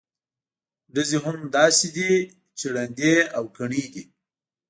ډزې هم داسې دي چې ړندې او کڼې دي.